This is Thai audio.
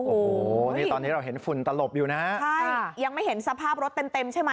โอ้โหนี่ตอนนี้เราเห็นฝุ่นตลบอยู่นะใช่ยังไม่เห็นสภาพรถเต็มเต็มใช่ไหม